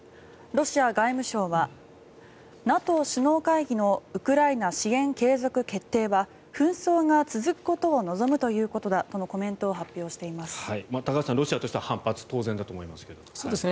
ロシア外務省はＮＡＴＯ首脳会議のウクライナ支援継続決定は紛争が続くことを望むということだとのコメントを発表しています。